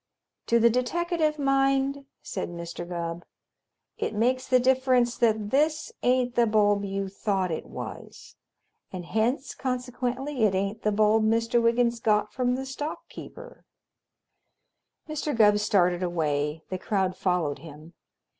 "To the deteckative mind," said Mr. Gubb, "it makes the difference that this ain't the bulb you thought it was, and hence consequently it ain't the bulb Mister Wiggins got from the stock keeper." Mr. Gubb started away. The crowd followed him.